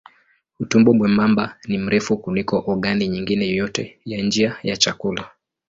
Utumbo mwembamba ni mrefu kuliko ogani nyingine yoyote ya njia ya chakula.